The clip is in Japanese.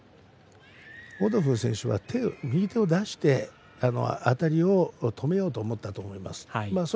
オドフー選手は右手を出してあたりを止めようと思ったと思います。